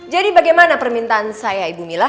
jadi bagaimana permintaan saya ibu milah